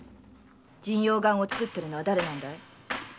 神陽丸を作ってるのは誰なんだい？